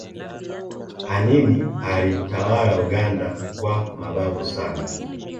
anini alitawala uganda kwa mabavu sana